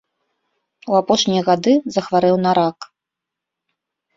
У апошнія гады захварэў на рак.